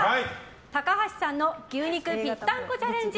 高橋さんの牛肉ぴったんこチャレンジ